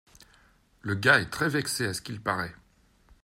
Le gars est très vexé à ce qu’il parait.